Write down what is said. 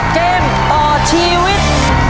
เกมต่อชีวิต